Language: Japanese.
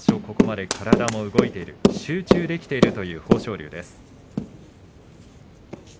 ここまで体も動いている集中できているという豊昇龍です。